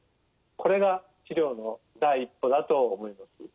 これが治療の第一歩だと思います。